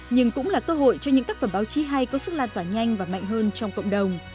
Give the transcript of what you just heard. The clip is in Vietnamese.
nhưng cũng là cơ hội cho những tác phẩm báo chí hay có sức lan tỏa nhanh và mạnh hơn trong cộng đồng